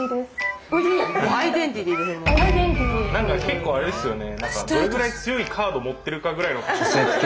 何か結構あれですよね。